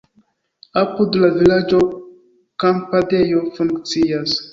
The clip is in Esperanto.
Apud la vilaĝo kampadejo funkcias.